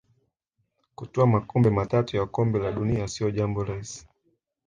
Kutwaa makombe matatu ya Kombe la dunia sio jambo rahisi